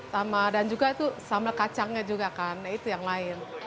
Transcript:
sama dan juga itu sambal kacangnya juga kan itu yang lain